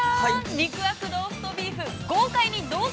肉厚ローストビーフ、豪快にどうぞ。